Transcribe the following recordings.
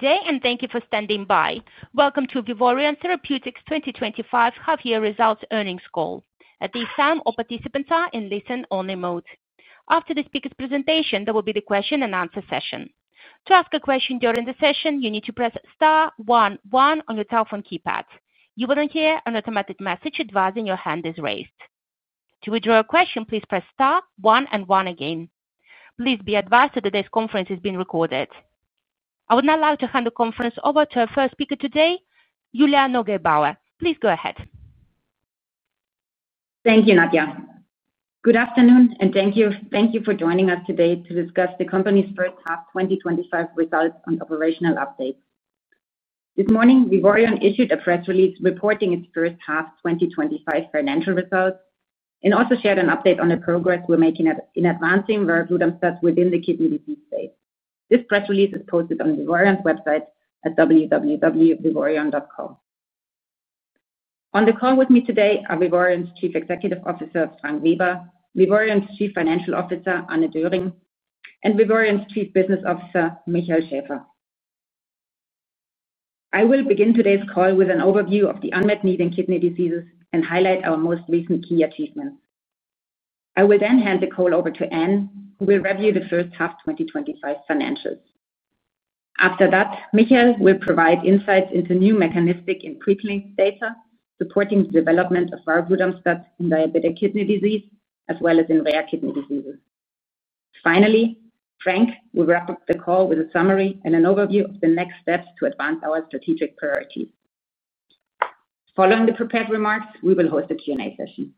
Good day, and thank you for standing by. Welcome to Vivorion Therapeutics twenty twenty five Half Year Results Earnings Call. At this time, all participants are in listen only mode. After the speakers' presentation, there will be the question and answer session. Please be advised that today's conference is being recorded. I would now like to hand the conference over to our first speaker today, Julia Nogebauer. Please go ahead. Thank you, Nadia. Good afternoon, and thank you for joining us today to discuss the company's first half twenty twenty five results and operational updates. This morning, Viforion issued a press release reporting its first half twenty twenty five financial results and also shared an update on the progress we're making in advancing verablutinib within the kidney disease space. This press release is posted on Vivorion's website at www.vivorion.com. On the call with me today are Vivorion's Chief Executive Officer, Frank Wieber Vivorion's Chief Financial Officer, Anne Doring and Vivorion's Chief Business Officer, Mikhail Schafer. I will begin today's call with an overview of the unmet need in kidney diseases and highlight our most recent key achievements. I will then hand the call over to Anne, who will review the first half twenty twenty five financials. After that, Mikael will provide insights into new mechanistic and preclinx data supporting the development of rarburdanskat in diabetic kidney disease as well as in rare kidney diseases. Finally, Frank will wrap up the call with a summary and an overview of the next steps to advance our strategic priorities. Following the prepared remarks, we will host a Q and A session.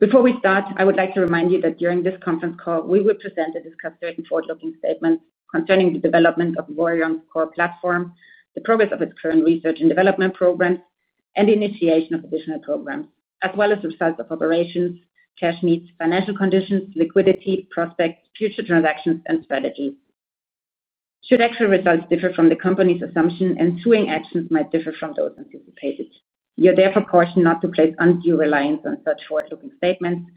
Before we start, I would like to remind you that during this conference call, we will present and discuss certain forward looking statements concerning the development of Vorion's core platform, the progress of its current research and development programs and the initiation of additional programs as well as results of operations, cash needs, financial conditions, liquidity, prospects, future transactions and strategies. Should actual results differ from the company's assumptions, ensuing actions might differ from those anticipated. You are therefore cautioned not to place undue reliance on such forward looking statements,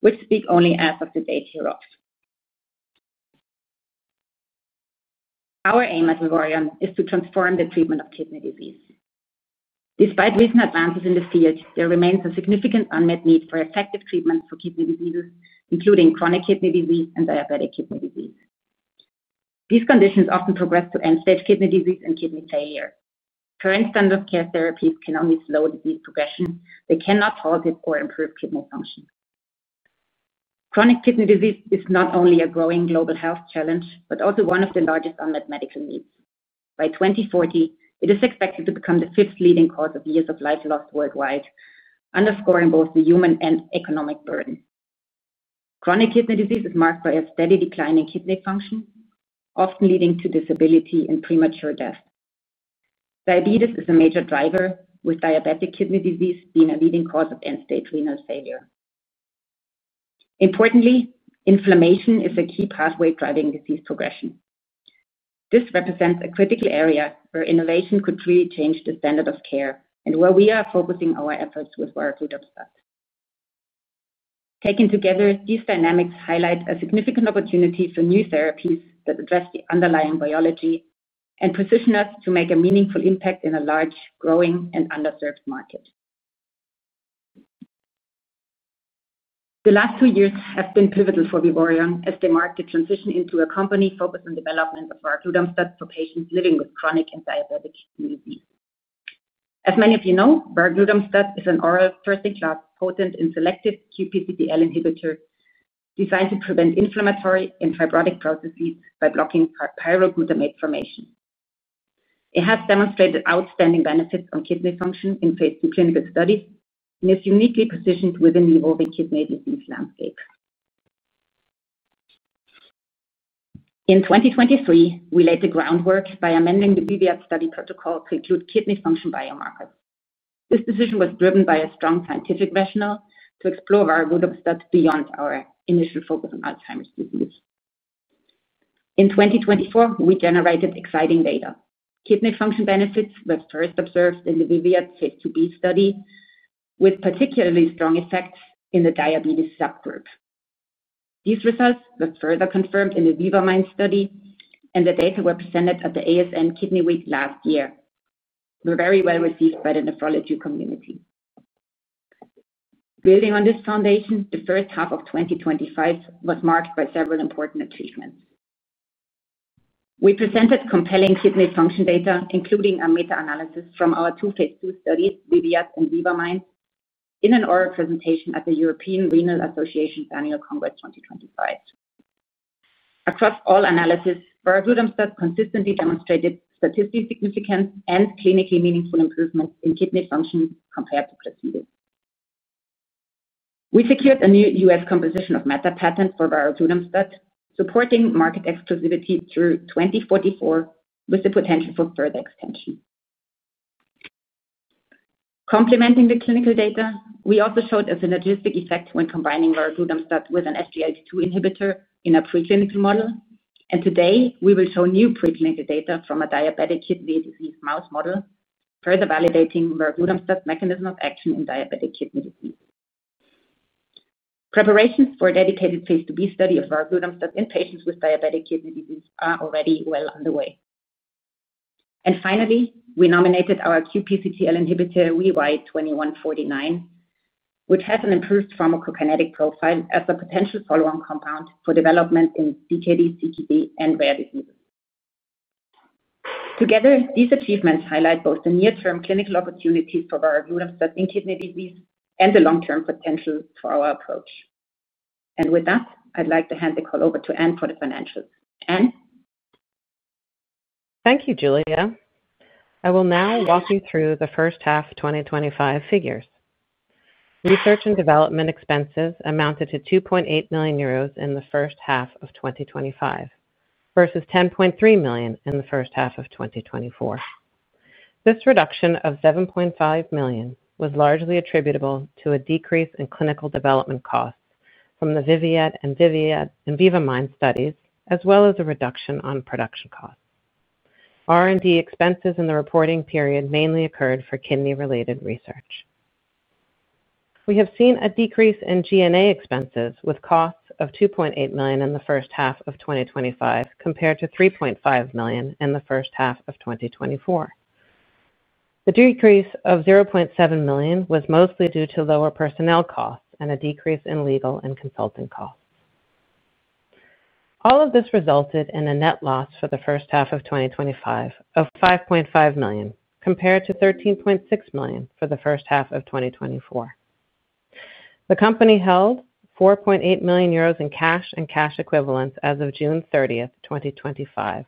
which speak only as of the date hereof. Our aim at Livorion is to transform the treatment of kidney disease. Despite recent advances in the field, there remains a significant unmet need for effective treatment for kidney diseases, including chronic kidney disease and diabetic kidney disease. These conditions often progress to end stage kidney disease and kidney failure. Current standard of care therapies can only slow disease progression. They cannot halt it or improve kidney function. Chronic kidney disease is not only a growing global health challenge, but also one of the largest unmet medical needs. By 02/1940, it is expected to become the fifth leading cause of years of life lost worldwide, underscoring both the human and economic burden. Chronic kidney disease is marked by a steady decline in kidney function, often leading to disability and premature death. Diabetes is a major driver with diabetic kidney disease being a leading cause of end stage renal failure. Importantly, inflammation is a key pathway driving disease progression. This represents a critical area where innovation could really change the standard of care and where we are focusing our efforts with voradustat. Taken together, these dynamics highlight a significant opportunity for new therapies that address the underlying biology and position us to make a meaningful impact in a large, growing and underserved market. The last two years have been pivotal for Viborion as the market transitioned into a company focused on development of varglutemstat for patients living with chronic and diabetic kidney disease. As many of you know, varglutemstat is an oral first in class potent and selective qPCDL inhibitor designed to prevent inflammatory and fibrotic processes by blocking pyroglutamate formation. It has demonstrated outstanding benefits on kidney function in Phase II clinical studies and is uniquely positioned within the evolving kidney disease landscape. In 2023, we laid the groundwork by amending the BVAP study protocol to include kidney function biomarkers. This decision was driven by a strong scientific rationale to explore viagutubstat beyond our initial focus on Alzheimer's disease. In 2024, we generated exciting data. Kidney function benefits was first observed in the VIVIAN Phase 2b study, with particularly strong effects in the diabetes subgroup. These results were further confirmed in the VIVAMINE study, and the data were presented at the ASN Kidney Week last year. We're very well received by the nephrology community. Building on this foundation, the 2025 was marked by several important achievements. We presented compelling kidney function data, including a meta analysis from our two Phase II studies, VEVIAT and VIVA MIND, in an oral presentation at the European Renal Association Annual Congress twenty twenty five. Across all analysis, verazolamstat consistently demonstrated statistically significant and clinically meaningful improvement in kidney function compared to placebo. We secured a new U. S. Composition of meta patent for birazutamab, supporting market exclusivity through 2044 with the potential for further extension. Complementing the clinical data, we also showed a synergistic effect when combining vargutemstat with an SGLT2 inhibitor in a preclinical model. And today, we will show new preclinical data from a diabetic kidney disease mouse model, further validating vargutamab's mechanism of action in diabetic kidney disease. Preparations for a dedicated Phase IIb study of vargutamab in patients with diabetic kidney disease are already well underway. And finally, we nominated our qPCTL inhibitor, VY2149, which has an improved pharmacokinetic profile as a potential follow on compound for development in CKD, CKD and rare diseases. Together, these achievements highlight both the near term clinical opportunities for voraglutidemstat in kidney disease and the long term potential for our approach. And with that, I'd like to hand the call over to Ann for the financials. Ann? Thank you, Julia. I will now walk you through the first half twenty twenty five figures. Research and development expenses amounted to €2,800,000 in the 2025 versus €10,300,000 in the 2024. This reduction of €7,500,000 was largely attributable to a decrease in clinical development costs from the VIVIDEET and VIVA MIND studies as well as a reduction on production costs. R and D expenses in the reporting period mainly occurred for kidney related research. We have seen a decrease in G and A expenses with costs of $2,800,000 in the 2025 compared to $3,500,000 in the 2024. The decrease of $700,000 was mostly due to lower personnel costs and a decrease in legal and consulting costs. All of this resulted in a net loss for the 2025 of $5,500,000 compared to $13,600,000 for the 2024. The company held €4,800,000 in cash and cash equivalents as of 06/30/2025,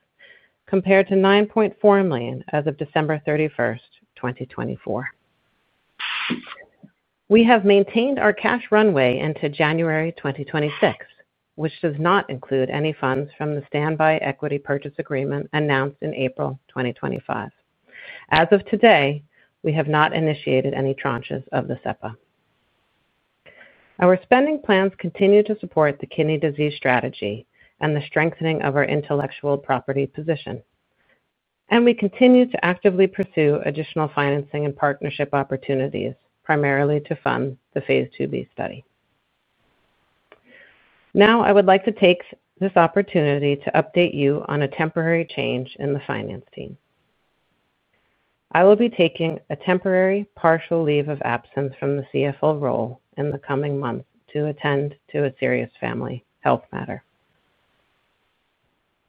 compared to €9,400,000 as of 12/31/2024. We have maintained our cash runway into January 2026, which does not include any funds from the standby equity purchase agreement announced in April 2025. As of today, we have not initiated any tranches of Vascepa. Our spending plans continue to support the kidney disease strategy and the strengthening of our intellectual property position. And we continue to actively pursue additional financing and partnership opportunities primarily to fund the Phase 2b study. Now I would like to take this opportunity to update you on a temporary change in the finance team. I will be taking a temporary partial leave of absence from the CFO role in the coming months to attend to a serious family health matter.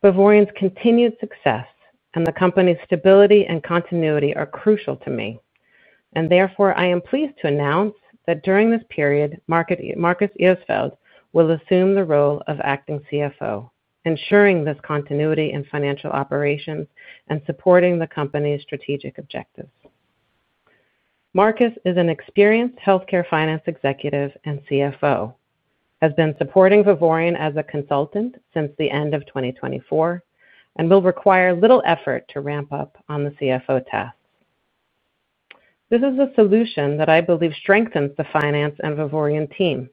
Bavarian's continued success and the company's stability and continuity are crucial to me. And therefore, I am pleased to announce that during this period, Marcus Ehersfeld will assume the role of acting CFO, ensuring this continuity in financial operations and supporting the company's strategic objectives. Marcus is an experienced healthcare finance executive and CFO, has been supporting Vovorean as a consultant since the 2024 and will require little effort to ramp up on the CFO tasks. This is a solution that I believe strengthens the finance and Vivorian team.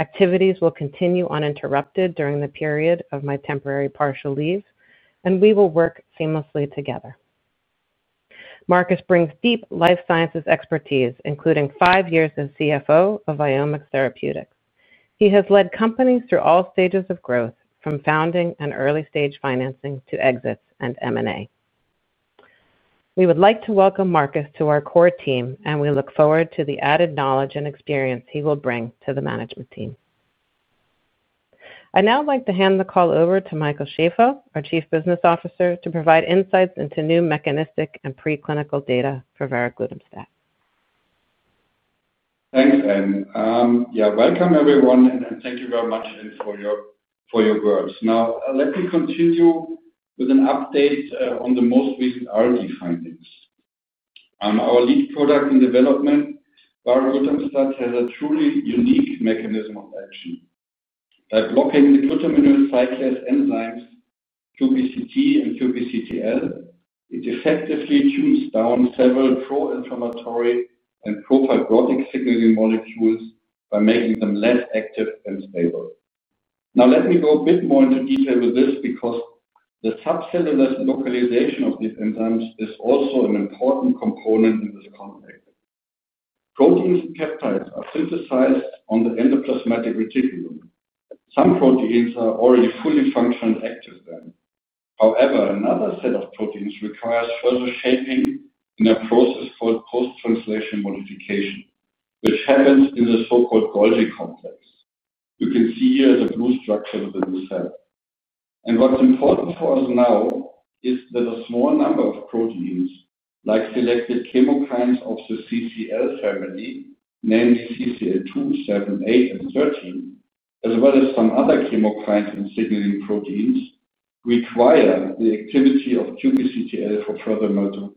Activities will continue uninterrupted during the period of my temporary partial leave, and we will work seamlessly together. Marcus brings deep life sciences expertise, including five years as CFO of Viomi Therapeutics. He has led companies through all stages of growth from founding and early stage financing to exits and M and A. We would like to welcome Marcus to our core team and we look forward to the added knowledge and experience he will bring to the management team. I'd now like to hand the call over to Michael Schaefow, our Chief Business Officer, to provide insights into new mechanistic and preclinical data for veraglutidemstat. Thanks, Anne. Yes, welcome, everyone, and thank you very much, Anne, your words. Now let me continue with an update on the most recent R and D findings. Our lead product in development, barotenstat, has a truly unique mechanism of action By blocking the glutaminoglycan cyclase enzymes, qBCT and qBCTL, it effectively chews down several pro inflammatory and prophylactic signaling molecules by making them less active and stable. Now let me go a bit more into detail with this because the subcellular localization of these enzymes is also an important component in this context. Proteins and peptides are synthesized on the endoplasmic reticulum. Some proteins are already fully functioned active then. However, another set of proteins requires further shaping in a process called post translation modification, which happens in the so called Golgi complex. You can see here the blue structure of the blue cell. And what's important for us now is that a small number of proteins like selected chemokines of the CCL family, namely CCL two, seven, eight, and thirteen, as well as some other chemokines and signaling proteins require the activity of qPCTL for further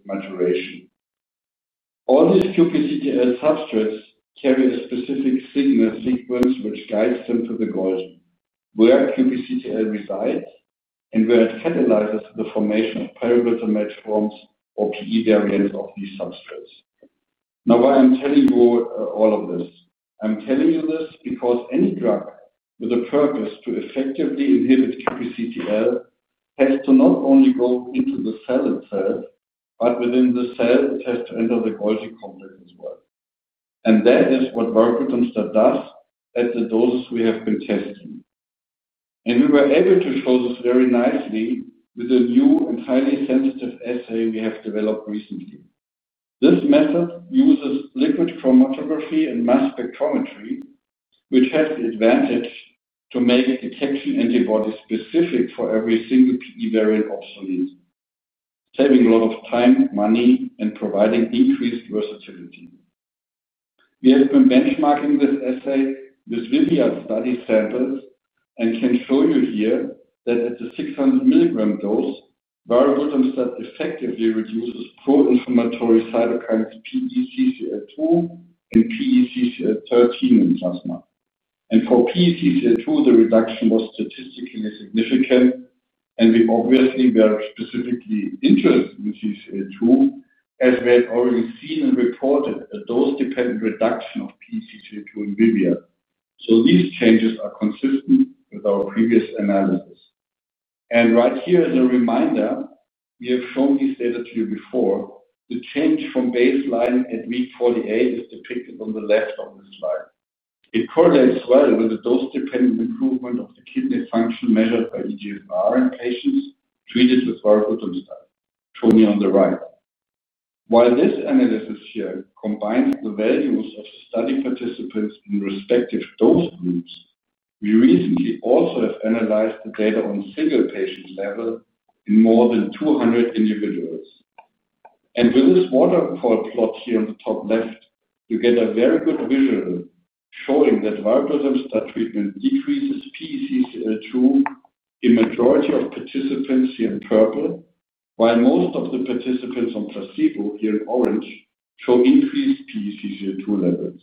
maturation. All these qPCTL substrates carry a specific signal sequence which guides them to the goal where qPCTL resides and where it catalyzes the formation of parabetamol forms or key variants of these substrates. Now why I'm telling you all of this? I'm telling you this because any drug with a purpose to effectively inhibit QPCTL has to not only go into the cell itself, but within the cell it has to enter the Golgi complex as well. And that is what barbitumstat does at the doses we have been testing. And we were able to show this very nicely with a new and highly sensitive assay we have developed recently. This method uses liquid chromatography and mass spectrometry, which has the advantage to make detection antibody specific for every single PD variant option, saving a lot of time, money, and providing increased versatility. We have been benchmarking this assay with VIZIYA study samples and can show you here that at the six hundred milligram dose, valerbutamstat effectively reduces pro inflammatory cytokines PECCL2 and PECCL13 in plasma. And for PECCL2, the reduction was statistically significant. And we obviously were specifically interested in CCL2 as we had already seen and reported a dose dependent reduction of PECCL2 in VIBIA. So these changes are consistent with our previous analysis. And right here, as a reminder, we have shown this data to you before. The change from baseline at week forty eight is depicted on the left of the slide. It correlates well with the dose dependent improvement of the kidney function measured by EGFR in patients treated with sorbitum study shown here on the right. While this analysis here combines the values of study participants in respective dose groups, we recently also have analyzed the data on single patient level in more than 200 individuals. And with this waterfall plot here on the top left, you get a very good visual showing that valprozemstat treatment decreases PECCL2 in majority of participants here in purple, while most of the participants on placebo here in orange show increased PECCL2 levels,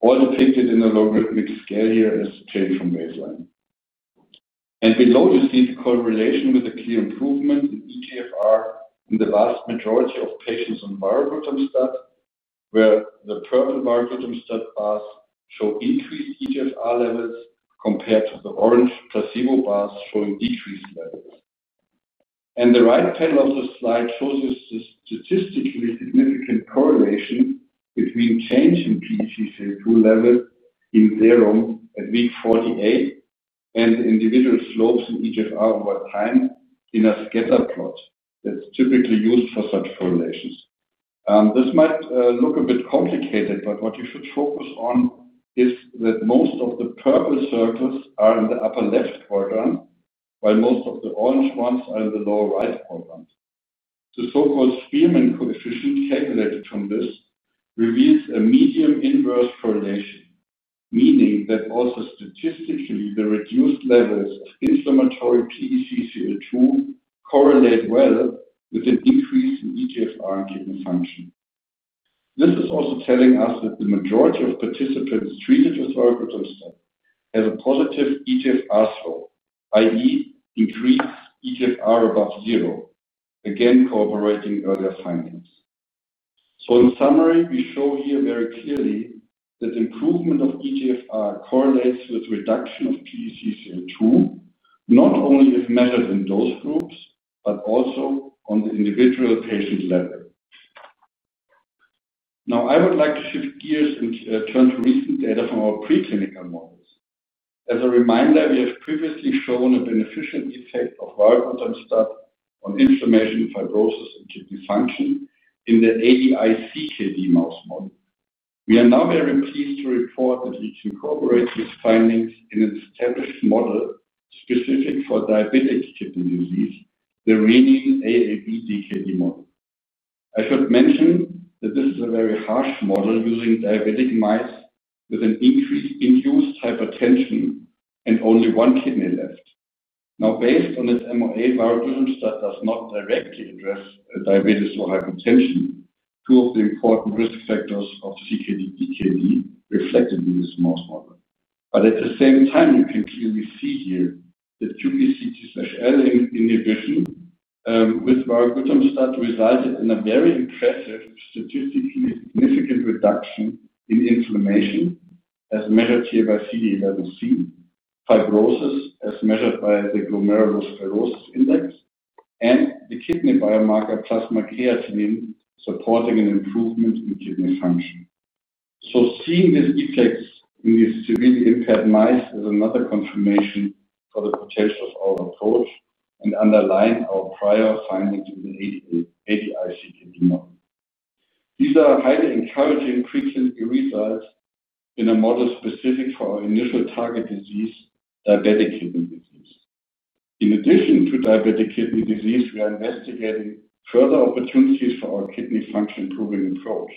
all depicted in a logarithmic scale here as change from baseline. And below, you see the correlation with the clear improvement in eGFR in the vast majority of patients on baroglitumstat, where the purple mariglitamstat bars show increased EGFR levels compared to the orange placebo bars showing decreased levels. And the right panel of the slide shows a statistically significant correlation between change in PDC level in zero at week forty eight and individual slopes in EGFR over time in a scatter plot that's typically used for such correlations. This might look a bit complicated, but what you should focus on is that most of the purple circles are in the upper left quadrant, while most of the orange ones are in the lower right quadrant. The so called coefficient calculated from this reveals a medium inverse correlation, meaning that also statistically the reduced levels of inflammatory PDC CO2 correlate well with an increase in EGFR in kidney function. This is also telling us that the majority of participants treated with vorbitostat had a positive EGFR slope, I. E, increased EGFR above zero, again, cooperating earlier findings. So in summary, we show here very clearly that improvement of EGFR correlates with reduction of PTCL2, not only if measured in dose groups, but also on the individual patient level. Now I would like to shift gears and turn to recent data from our preclinical models. As a reminder, we have previously shown a beneficial effect of valvulotinib stuff on inflammation, fibrosis, and kidney function in the ADI CKD mouse model. We are now very pleased to report that we can incorporate these findings in an established model specific for diabetic kidney disease, the renin AAV CKD model. I should mention that this is a very harsh model using diabetic mice with an increased induced hypertension and only one kidney left. Now based on this mRNA that does not directly address diabetes or hypertension, two of the important risk factors of CKD, DKD reflected in this mouse model. But at the same time, you can clearly see here that qbctL inhibition with baragutamab started in a very impressive statistically significant reduction in inflammation as measured here by CD11c, fibrosis as measured by the glomerulosclerosis index, and the kidney biomarker plus supporting an improvement in kidney function. So seeing this effect in this severely impaired mice is another confirmation for the potential of our approach and underlying our prior findings in the ADI CKD model. These are highly encouraging results in a model specific for our initial target disease, diabetic kidney disease. In addition to diabetic kidney disease, we are investigating further opportunities for our kidney function improving approach.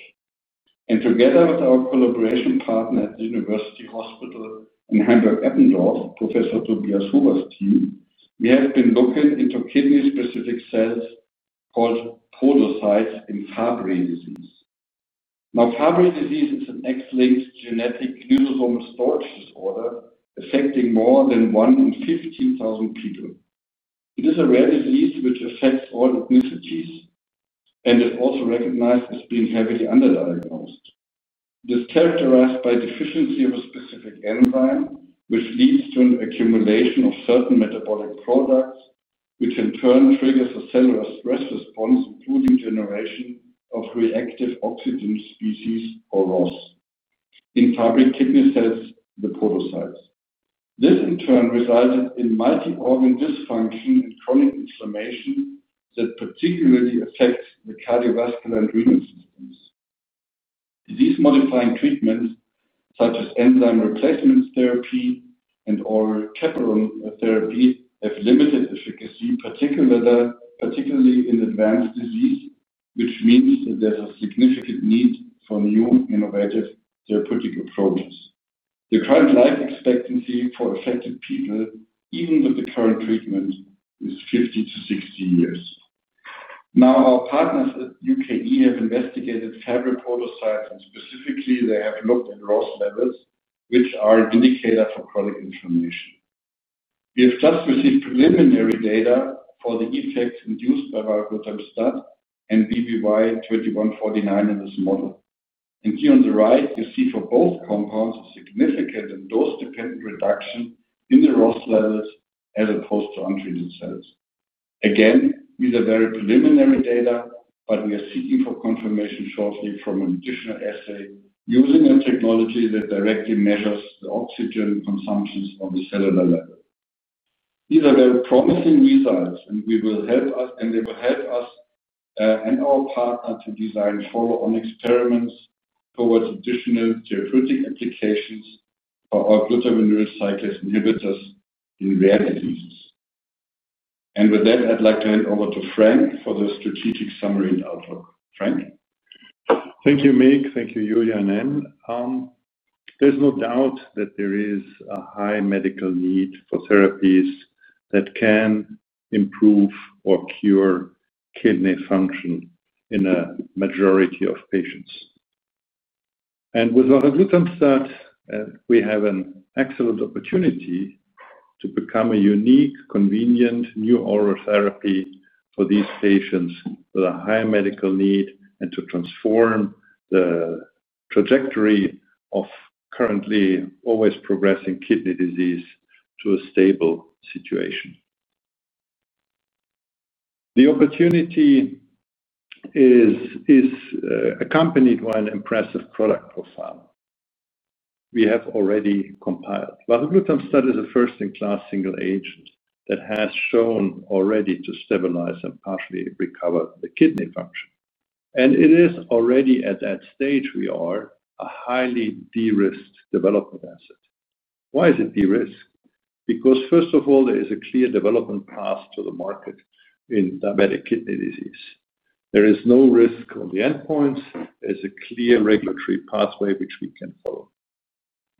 And together with our collaboration partner at the University Hospital in Henrik Eppendorf, Professor Tobias Hoover's team, we have been looking into kidney specific cells called podocytes in Fabry disease. Now Fabry disease is an X linked genetic neuronal storage disorder affecting more than one in fifteen thousand people. It is a rare disease which affects all ethnicities and is also recognized as being heavily underdiagnosed. It is characterized by deficiency of a specific enzyme which leads to an accumulation of certain metabolic products, which in turn triggers a cellular stress response including generation of reactive oxygen species or ROS, in target kidney cells, the podocytes. This in turn resulted in multi organ dysfunction and chronic inflammation that particularly affects the cardiovascular and renal systems. Disease modifying treatments such as enzyme replacement therapy and or Keperone therapy have limited efficacy, particularly in advanced disease, which means that there's a significant need for new innovative therapeutic approaches. The current life expectancy for affected people, even with the current treatment is fifty to sixty years. Now our partners at UKE have investigated Fabry podocytes, and specifically they have looked at loss levels, which are an indicator for chronic inflammation. We have just received preliminary data for the effects induced by valvulotemstat and BPY2149 in this model. And here on the right, you see for both compounds a significant and dose dependent reduction in the ROS levels as opposed to untreated cells. Again, these are very preliminary data, but we are seeking for confirmation shortly from an additional assay using a technology that directly measures the oxygen consumption of the cellular level. These are very promising results, and they will help us and our partner to design follow on experiments towards additional therapeutic applications for our glutaminergic cyclase inhibitors in rare diseases. And with that, I'd like to hand over to Frank for the strategic summary and outlook. Frank? Thank you, Mig. Thank you, Julian. There's no doubt that there is a high medical need for therapies that can improve or cure kidney function in a majority of patients. And with ralaglutemstat, we have an excellent opportunity to become a unique, convenient, new oral therapy for these patients with a high medical need and to transform the trajectory of currently always progressing kidney disease to a stable situation. The opportunity is accompanied by an impressive product profile we have already compiled. Well, the glucan study is a first in class single agent that has shown already to stabilize and partially recover the kidney function. And it is already at that stage we are a highly derisked development asset. Why is it derisked? Because first of all, there is a clear development path to the market in diabetic kidney disease. There is no risk on the endpoints. There's a clear regulatory pathway which we can follow.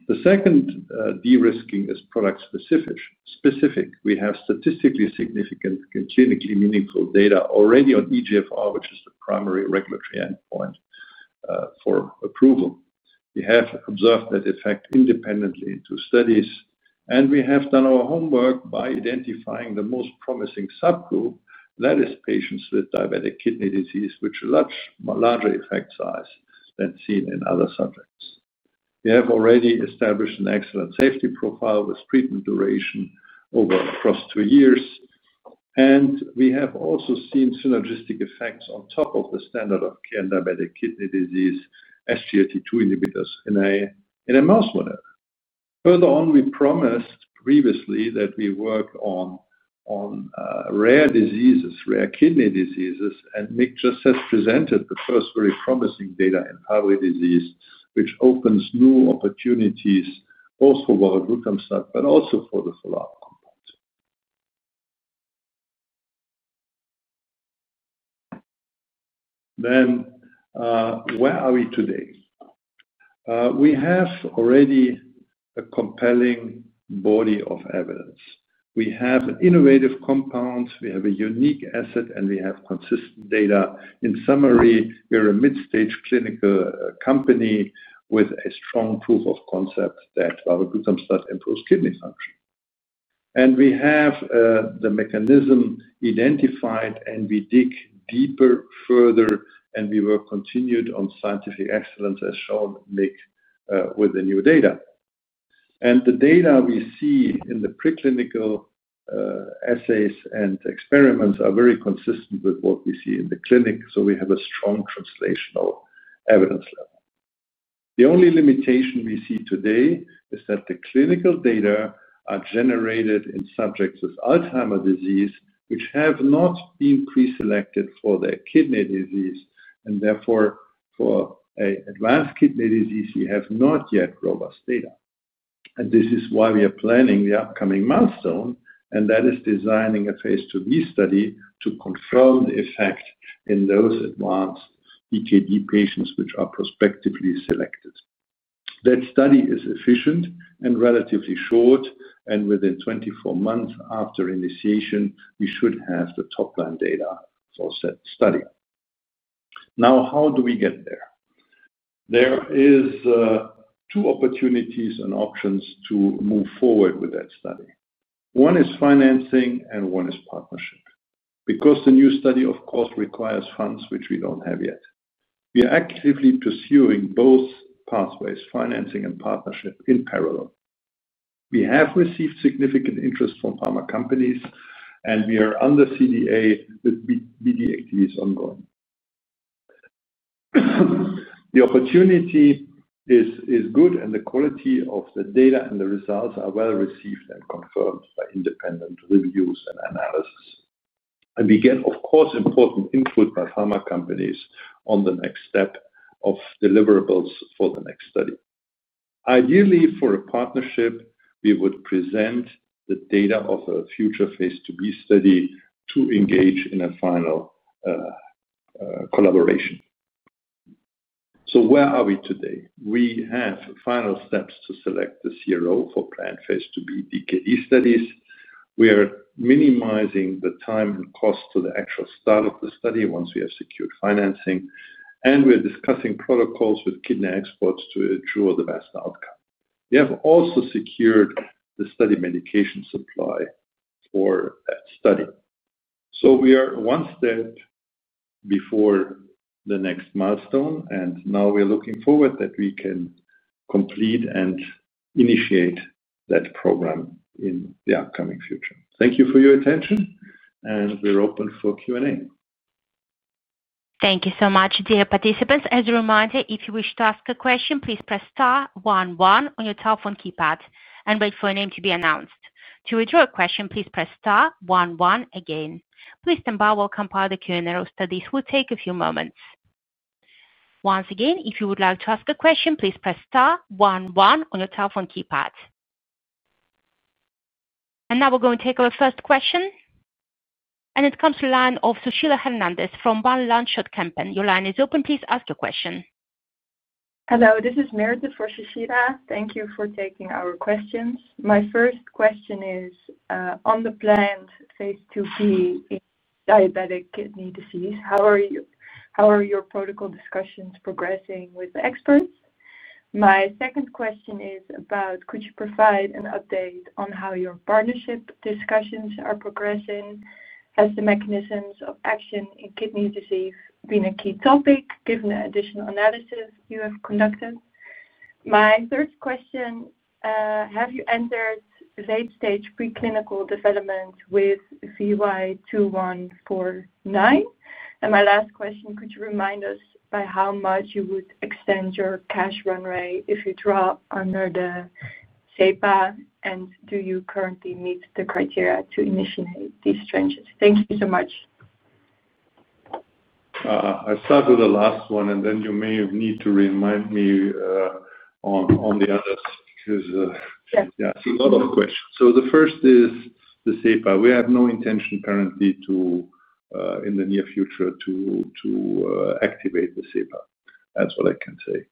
The second de risking is product specific. We have statistically significant and clinically meaningful data already on EGFR, which is the primary regulatory endpoint for approval. We have observed that effect independently in two studies, and we have done our homework by identifying the most promising subgroup, that is patients with diabetic kidney disease, which are a larger effect size than seen in other subjects. We have already established an excellent safety profile with treatment duration over across two years, and we have also seen synergistic effects on top of the standard of care in diabetic kidney disease SGLT2 inhibitors in a mouse model. Further on, we promised previously that we work on rare diseases, rare kidney diseases, and Mick just has presented the first very promising data in Poway disease, which opens new opportunities both for voraglutamstat but also for the FLAB component. Then where are we today? We have already a compelling body of evidence. We have innovative compounds. We have a unique asset, and we have consistent data. In summary, we're a mid stage clinical company with a strong proof of concept that barboglutarstat improves kidney function. And we have the mechanism identified, and we dig deeper further, and we will continue on scientific excellence, as Sean mentioned, with the new data. And the data we see in the preclinical assays and experiments are very consistent with what we see in the clinic, so we have a strong translational evidence. The only limitation we see today is that the clinical data are generated in subjects with Alzheimer's disease which have not been preselected for their kidney disease, and therefore for advanced kidney disease we have not yet robust data. And this is why we are planning the upcoming milestone, and that is designing a phase 2b study to confirm the effect in those advanced EKG patients which are prospectively selected. That study is efficient and relatively short, and within twenty four months after initiation, we should have the top line data for that study. Now how do we get there? There is two opportunities and options to move forward with that study. One is financing, and one is partnership. Because the new study, of course, requires funds which we don't have yet. We are actively pursuing both pathways, financing and partnership, in parallel. We have received significant interest from pharma companies, and we are under CDA with VDAT is ongoing. The opportunity is good, and the quality of the data and the results are well received and confirmed by independent reviews and analysis. And we get, of course, important input by pharma companies on the next step of deliverables for the next study. Ideally, for a partnership, we would present the data of a future phase 2b study to engage in a final collaboration. So where are we today? We have final steps to select the CRO for planned phase 2b DKE studies. We are minimizing the time and cost to the actual start of the study once we have secured financing, and we are discussing protocols with kidney experts to ensure the best outcome. We have also secured the study medication supply for that study. So we are one step before the next milestone, and now we are looking forward that we can complete and initiate that program in the upcoming future. Thank you for your attention, and we're open for Q and A. Thank you so much, dear participants. And it comes from the line of Sushila Hernandez from One Landschaud Kempen. Your line is open. Please ask your question. Hello. This is Meredith for Sushila. Thank you for taking our questions. My first question is on the planned Phase 2b in diabetic kidney disease, how are your protocol discussions progressing with the experts? My second question is about could you provide an update on how your partnership discussions are progressing as the mechanisms of action in kidney disease been a key topic given additional analysis you have conducted? My third question, have you entered late stage preclinical development with VY2149? And my last question, could you remind us by how much you would extend your cash run rate if you draw under the SEPA? And do you currently meet the criteria to initiate these tranches? Thank you so much. I'll start with the last one, and then you may need to remind me on the others because Yes. Yeah. So a lot of questions. So the first is the sepa. We have no intention currently to, in the near future, to to activate the sepa. That's what I can say.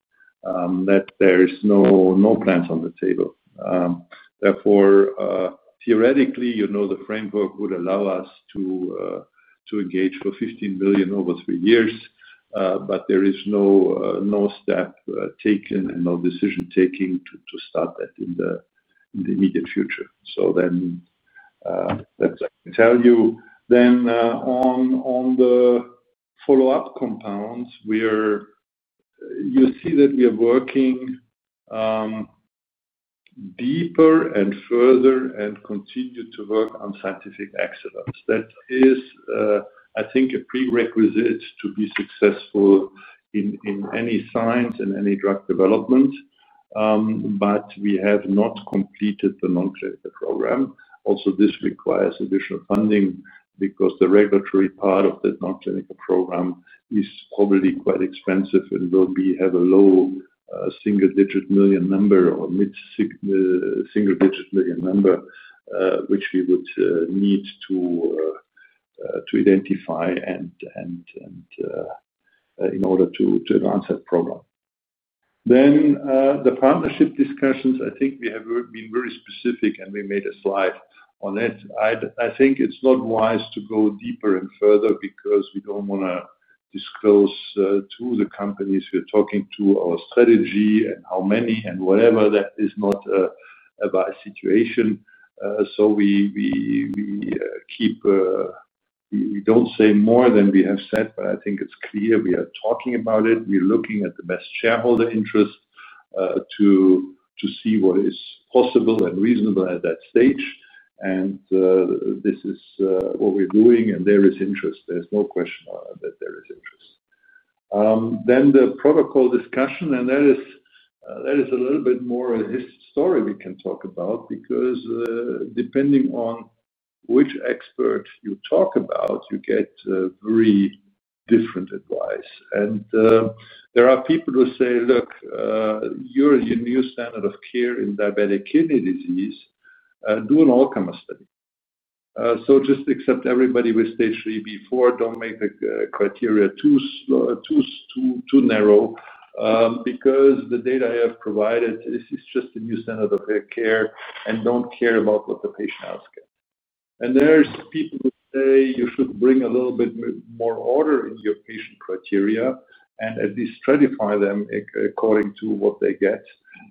That there is no no plans on the table. Therefore, theoretically, you know, the framework would allow us to to engage for 15,000,000,000 over three years, but there is no step taken and no decision taking to start that in the immediate future. So then that's what can tell you. Then on the follow-up compounds, are you see that we are working deeper and further and continue to work on scientific excellence. That is, I think, a prerequisite to be successful in any science and any drug development, but we have not completed the nonclinical program. Also, this requires additional funding because the regulatory part of the nonclinical program is probably quite expensive, and will be have a low single digit million number or mid single digit million number, which we would need to identify and in order to advance that program. Then the partnership discussions, I think we have been very specific, and we made a slide on it. I I think it's not wise to go deeper and further because we don't wanna disclose to the companies we're talking to our strategy and how many and whatever. That is not a bad situation. So we we we keep we don't say more than we have said, but I think it's clear we are talking about it. We're looking at the best shareholder interest to to see what is possible and reasonable at that stage. And this is what we're doing, and there is interest. There's no question that there is interest. Then the protocol discussion, and that is that is a little bit more of history we can talk about, because depending on which expert you talk about, you get very different advice. And there are people who say, look, you're your new standard of care in diabetic kidney disease. Do an alchemy study. So just accept everybody with stage three before. Don't make the criteria too narrow because the data I have provided is just a new standard of care, and don't care about what the patient has. And there's people who say you should bring a little bit more order in your patient criteria, and at least stratify them according to what they get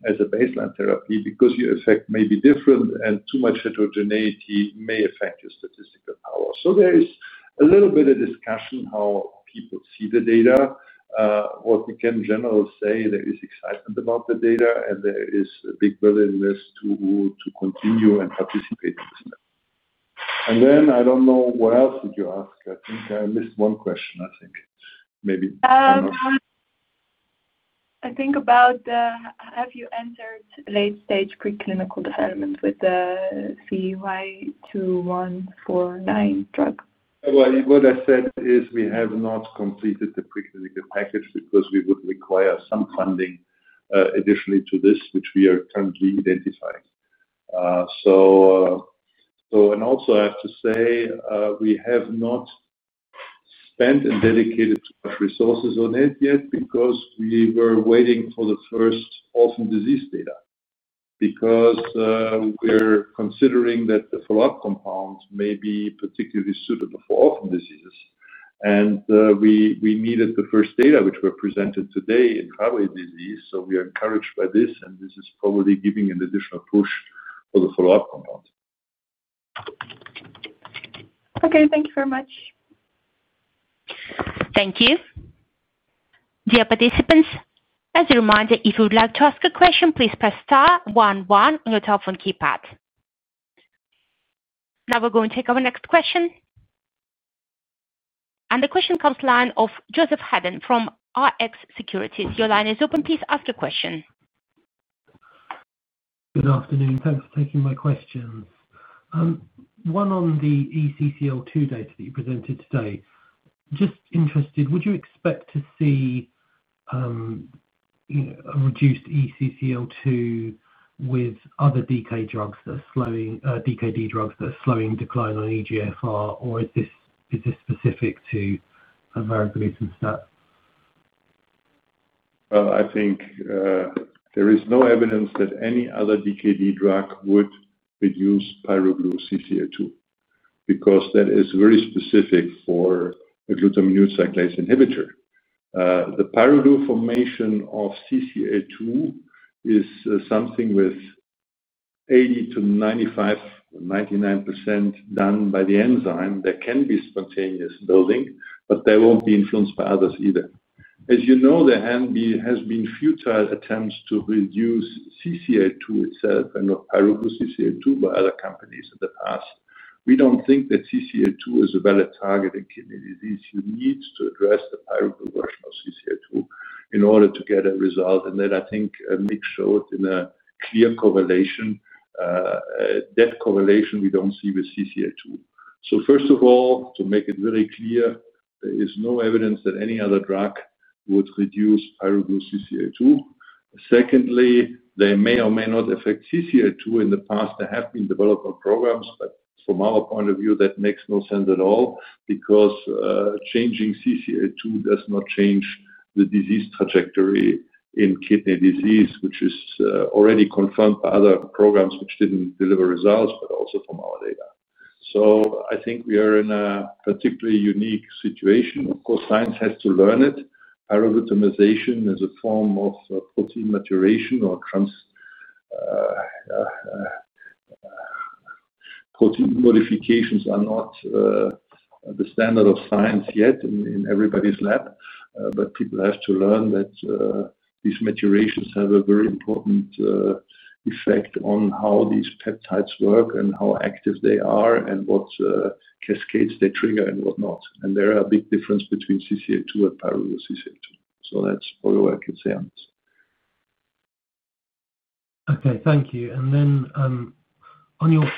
as a baseline therapy, because your effect may be different, and too much heterogeneity may affect your statistical power. So there is a little bit of discussion how people see the data, what we can generally say there is excitement about the data, and there is a big willingness to continue and participate in this. And then I don't know what else did you ask. I think I missed one question, I think. Maybe. I think about have you entered late stage preclinical development with the CY2149 drug? What I said is we have not completed the preclinical package because we would require some funding additionally to this, which we are currently identifying. So and also I have to say we have not spent and dedicated resources on it yet because we were waiting for the first orphan disease data, because we're considering that the follow-up compounds may be particularly suitable for orphan diseases. And we needed the first data which were presented today in Fabry disease, so we are encouraged by this, and this is probably giving an additional push for the follow-up compound. Okay. Thank you very much. Thank you. Now we're going to take our next question. And the question comes from the line of Joseph Haddon from Rx Securities. Your line is open. Please ask your question. Good afternoon. Thanks for taking my questions. One on the ECCL2 data that you presented today. Just interested, would you expect to see a reduced ECCL2 with other DK drugs that are slowing DKD drugs that are slowing decline on eGFR? Or is this specific to a vorablizumab? I think there is no evidence that any other DKD drug would reduce Pyroglue CCA2, because that is very specific for a glutaminoglycicase inhibitor. The pyruglucination of CCA two is something with 80 to 95, 99 done by the enzyme that can be spontaneous building, but they won't be influenced by others either. As you know, there has been futile attempts to reduce CCA2 itself and not pyruvate CCA2 by other companies in the past. We don't think that CCA2 is a valid target in kidney disease. You need to address the pyruvate version of CCA2 in order to get a result. And then I think Nick showed in a clear correlation, that correlation we don't see with CCA2. So first of all, to make it very clear, there is no evidence that any other drug would reduce pyruvate CCA2. Secondly, they may or may not affect CCA two in the past. There have been development programs, but from our point of view, that makes no sense at all because changing CCA two does not change the disease trajectory in kidney disease, which is already confirmed by other programs which didn't deliver results, but also from our data. So I think we are in a particularly unique situation. Of course, science has to learn it. Parabutomization is a form of protein maturation or trans protein modifications are not the standard of science yet in everybody's lab, but people have to learn that these maturations have a very important effect on how these peptides work and how active they are and what cascades they trigger and whatnot. And there are big difference between CCA two and pyruvate CCA two. So that's probably what I can say on this. Okay. Thank you. And then on your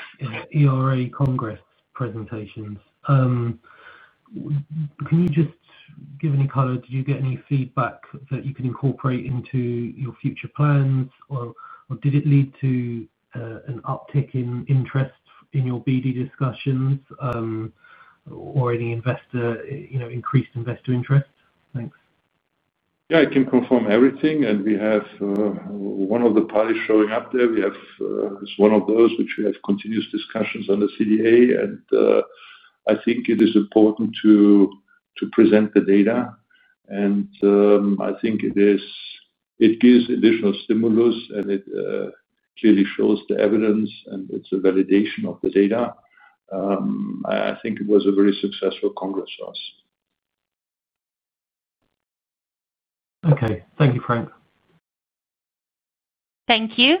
ERA Congress presentations, can you just give any color? Do you get any feedback that you can incorporate into your future plans? Or did it lead to an uptick in interest in your BD discussions or any investor, you know, increased investor interest? Thanks. Yeah. I can confirm everything, and we have one of the parties showing up there. We have it's one of those, which we have continuous discussions on the CDA. And I think it is important to to present the data. And I think it is it gives additional stimulus, and it clearly shows the evidence, and it's a validation of the data. I think it was a very successful congress for us. Okay. Thank you, Frank. Thank you.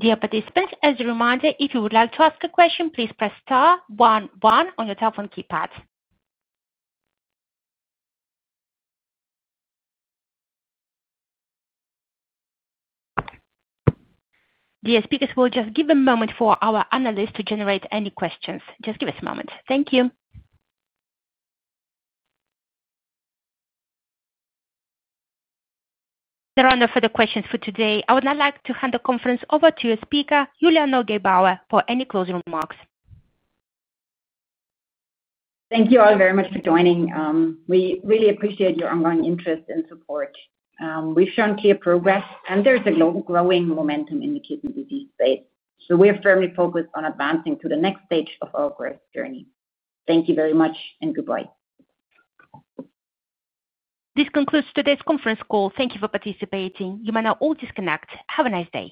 Dear speakers, we'll just give a moment for our analysts to generate any questions. Just give us a moment. Thank you. There are no further questions for today. I would now like to hand the conference over to your speaker, Julia Nogebauer, for any closing remarks. Thank you all very much for joining. We really appreciate your ongoing interest and support. We've shown clear progress, and there's a global growing momentum in the kidney disease space. So we are firmly focused on advancing to the next stage of our growth journey. Thank you very much and goodbye. This concludes today's conference call. Thank you for participating. You may now all disconnect. Have a nice day.